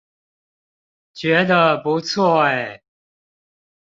覺得不錯欸